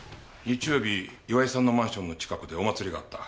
日曜日岩井さんのマンションの近くでお祭りがあった。